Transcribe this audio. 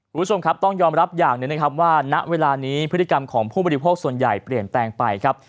คุณผู้ชมครับต้องยอมรับอย่างหนึ่งนะครับว่าณเวลานี้พฤติกรรมของผู้บริโภคส่วนใหญ่เปลี่ยนแปลงไปครับ